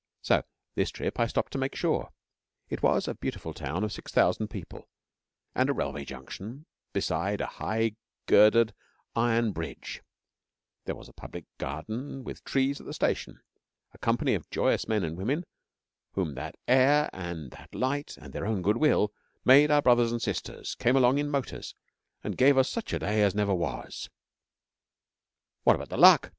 So, this trip, I stopped to make sure. It was a beautiful town of six thousand people, and a railway junction, beside a high girdered iron bridge; there was a public garden with trees at the station. A company of joyous men and women, whom that air and that light, and their own goodwill, made our brothers and sisters, came along in motors, and gave us such a day as never was. 'What about the Luck?'